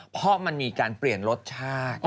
เพราะมันมีการเปลี่ยนรสชาติ